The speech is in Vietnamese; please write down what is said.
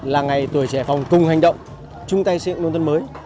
là ngày tuổi trẻ hải phòng cùng hành động trung tây xây dựng nguồn thân mới